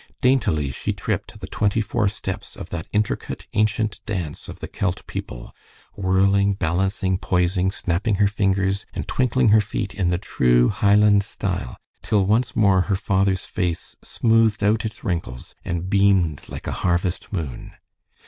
Daintily she tripped the twenty four steps of that intricate, ancient dance of the Celt people, whirling, balancing, poising, snapping her fingers, and twinkling her feet in the true Highland style, till once more her father's face smoothed out its wrinkles, and beamed like a harvest moon.